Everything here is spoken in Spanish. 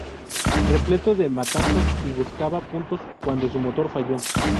Repleto de matanzas, y buscaba puntos cuando su motor falló.